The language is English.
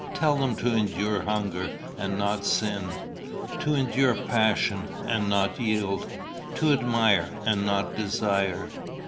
Tell them to endure hunger, and not sin; to endure passion, and not yield; to admire, and not desire.